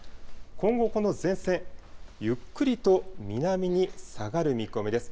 今後、この前線、ゆっくりと南に下がる見込みです。